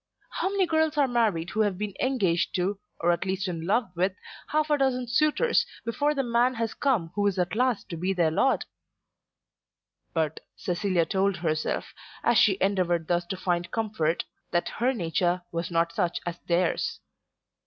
How many girls are married who have been engaged to, or at least in love with, half a dozen suitors before the man has come who is at last to be their lord! But Cecilia told herself, as she endeavoured thus to find comfort, that her nature was not such as theirs.